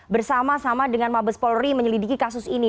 bersama sama dengan mabes polri menyelidiki kasus ini